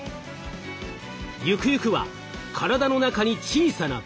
ゆくゆくは体の中に小さな病院が！？